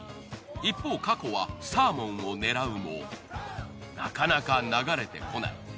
一方かこはサーモンを狙うもなかなか流れてこない。